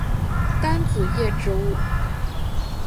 单子叶植物。